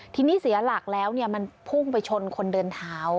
ทีนี้เสียหลักแล้วมันพุ่งไปชนคนเดินเท้า